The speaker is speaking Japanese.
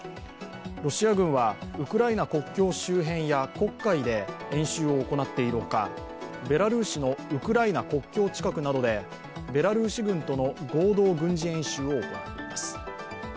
ロシア軍はウクライナ国境周辺や黒海で演習を行っているほかベラルーシのウクライナ国境近くなどでベラルーシ軍との合同軍事演習を行っています。